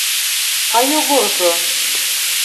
— А Йогоржо?